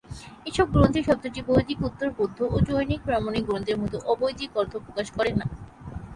এইসব গ্রন্থে শব্দটি বৈদিক-উত্তর বৌদ্ধ ও জৈন প্রামাণিক গ্রন্থের মতো অ-বৈদিক অর্থ প্রকাশ করে না।